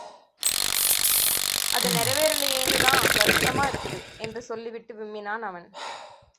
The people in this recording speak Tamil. அது நிறைவேறலியேன்னுதான் வருத்தமாயிருக்குது.. என்று சொல்லிவிட்டு விம்மினான் அவன்.